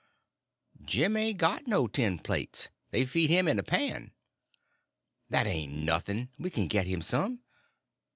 "Jim ain't got no tin plates. They feed him in a pan." "That ain't nothing; we can get him some."